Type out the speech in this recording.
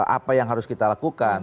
apa yang harus kita lakukan